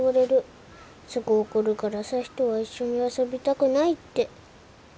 すぐ怒るから朝陽とは一緒に遊びたくないって。